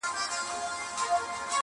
چي چاره د دې قاتل وکړي پخپله-